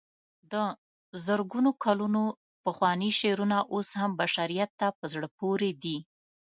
د زرګونو کلونو پخواني شعرونه اوس هم بشریت ته په زړه پورې دي.